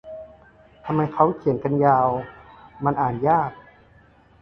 ทำไมเค้าเขียนกันยาว มันอ่านยาก